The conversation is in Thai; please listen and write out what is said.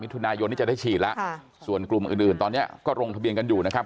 ทุนายนนี่จะได้ฉีดแล้วส่วนกลุ่มอื่นตอนนี้ก็ลงทะเบียนกันอยู่นะครับ